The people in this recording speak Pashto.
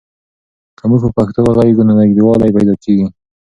که موږ په پښتو وغږېږو نو نږدېوالی پیدا کېږي.